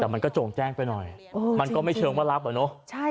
แต่มันก็โจ่งแจ้งไปหน่อยมันก็ไม่เชิงว่ารับอ่ะเนอะ